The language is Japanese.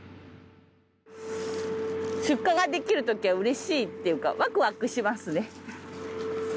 出荷ができるときはうれしいっていうかワクワクしますね。